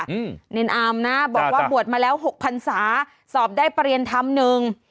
เน็นอาร์มนะบอกว่าบวชมาแล้ว๖พันศาสอบได้ประเรียนธรรมนึง